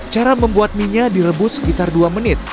cara membuat minya direbus sekitar dua menit